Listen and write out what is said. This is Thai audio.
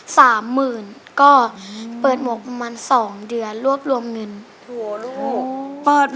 สามหมื่นก็เปิดหมวกประมาณสองเดือนรวบรวมเงินโหเหยียบโอ๊ย